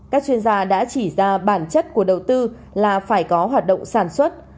các chuyên gia đã chỉ ra bản chất của đầu tư là phải có hoạt động sản xuất